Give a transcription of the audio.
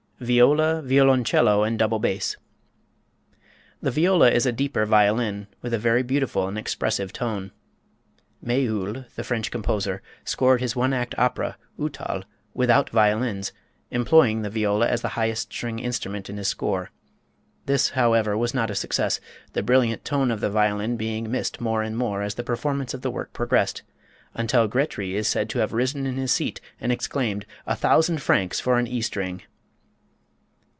Viola, Violoncello and Double Bass. The viola is a deeper violin, with a very beautiful and expressive tone. Méhul, the French composer, scored his one act opera, "Uthal," without violins, employing the viola as the highest string instrument in his score. This, however, was not a success, the brilliant tone of the violin being missed more and more as the performance of the work progressed, until Grétry is said to have risen in his seat and exclaimed: "A thousand francs for an E string!"